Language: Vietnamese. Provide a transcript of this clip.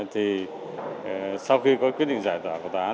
thì sau khi có quyết định giải tỏa của tài khoản